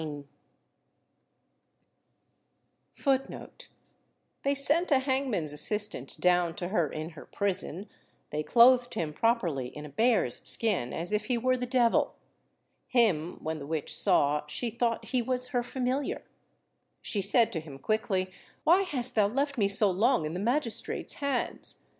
" They sent a hangman's assistant down to her in her prison; they clothed him properly in a bear's skin, as if he were the devil. Him, when the witch saw, she thought he was her familiar. She said to him quickly, "Why hast thou left me so long in the magistrate's hands?